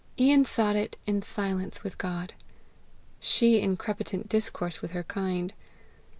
Ian sought it in silence with God; she in crepitant intercourse with her kind.